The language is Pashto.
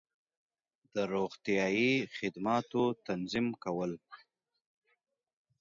د روغتیایی خدماتو تنظیم کول